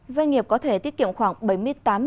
doanh nghiệp có thể tiết kiệm khoảng bảy mươi triệu đồng